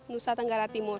nusa tenggara timur